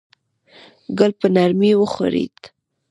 ګل په نرمۍ وښورېد.